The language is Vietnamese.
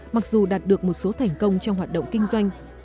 mặc dù đạt được một số thành công trong hoạt động kinh doanh